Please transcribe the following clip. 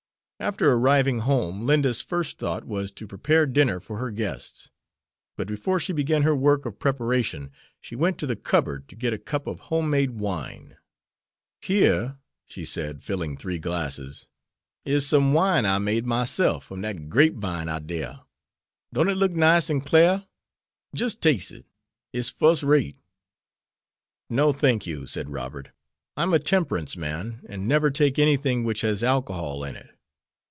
After arriving home Linda's first thought was to prepare dinner for her guests. But, before she began her work of preparation, she went to the cupboard to get a cup of home made wine. "Here," she said, filling three glasses, "is some wine I made myself from dat grape vine out dere. Don't it look nice and clar? Jist taste it. It's fus'rate." "No, thank you," said Robert. "I'm a temperance man, and never take anything which has alcohol in it."